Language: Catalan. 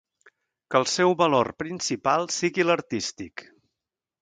Que el seu valor principal sigui l'artístic.